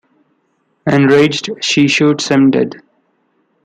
Enraged, she shoots him dead.